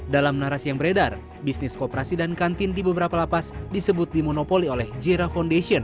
dalam narasi yang beredar bisnis kooperasi dan kantin di beberapa lapas disebut dimonopoli oleh jira foundation